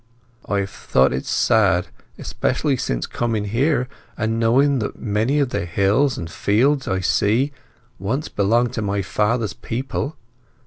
I have thought it sad—especially since coming here, and knowing that many of the hills and fields I see once belonged to my father's people.